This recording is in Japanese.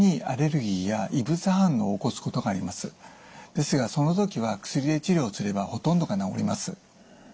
ですがその時は薬で治療すればほとんどが治ります。